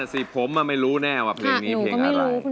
สิผมไม่รู้แน่ว่าเพลงนี้เพลงอะไร